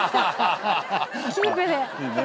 キープで。